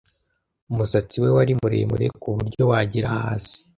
Umusatsi we wari muremure kuburyo wagera hasi.